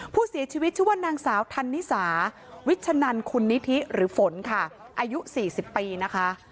ผู้เสียชีวิตชื่อว่านางสาวธันนิสาวิชนันคุณนิธิหรือฝนค่ะอายุ๔๐ปีนะคะ